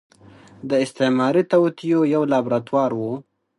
د استعماري توطيو يو لابراتوار و.